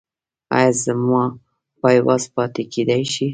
ایا زما پایواز پاتې کیدی شي؟